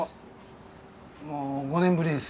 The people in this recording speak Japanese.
もう５年ぶりです。